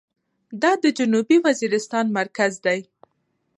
دا د جنوبي وزيرستان مرکز دى.